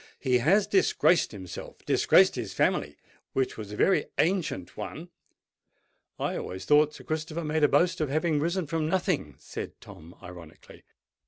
He has disgraced himself—disgraced his family, which was a very ancient one——" "I always thought Sir Christopher made a boast of having risen from nothing?" said Tom ironically.